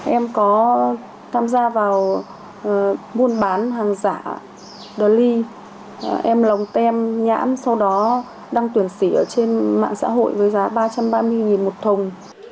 em có tham gia vào buôn bán hàng giả đơn ly em lồng tem nhãn sau đó đăng tuyển sỉ ở trên mạng xã hội với giá ba trăm ba mươi một thùng